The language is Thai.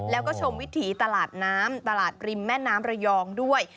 แล้วก็ชมวิถีตลาดน้ำตลาดริมแม่น้ำระยองด้วย